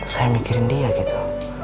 saya mikirin dia gitu